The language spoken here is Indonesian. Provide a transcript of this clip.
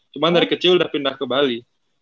cuma dari kecil udah pindah ke bali